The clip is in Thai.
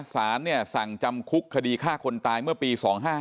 สารสั่งจำคุกคดีฆ่าคนตายเมื่อปี๒๕๕